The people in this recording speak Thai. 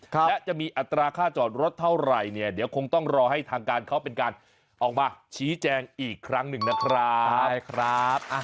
และจะมีอัตราค่าจอดรถเท่าไหร่เนี่ยเดี๋ยวคงต้องรอให้ทางการเขาเป็นการออกมาชี้แจงอีกครั้งหนึ่งนะครับ